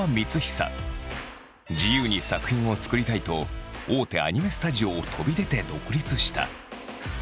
自由に作品を作りたいと大手アニメスタジオを飛び出て独立した。